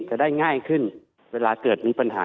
จะได้ง่ายขึ้นเวลาเกิดมีปัญหา